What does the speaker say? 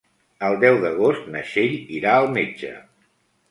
El deu d'agost na Txell irà al metge.